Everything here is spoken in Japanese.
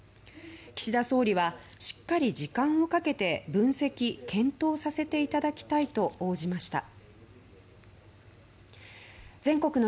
岸田総理はしっかり時間をかけて分析・検討させていただきたいと応じました。